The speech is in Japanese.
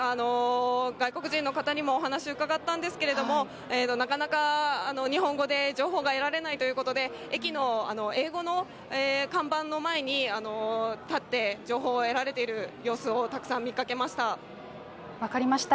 外国人の方にもお話伺ったんですけれども、なかなか日本語で情報が得られないということで、駅の英語の看板の前に立って情報を得られている様子をたくさん見分かりました。